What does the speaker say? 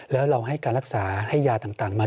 แล้วเราให้การรักษาให้ยาต่างมา